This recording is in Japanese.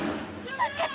助けて！